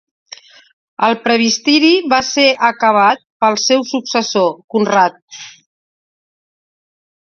El presbiteri va ser acabat pel seu successor, Conrad.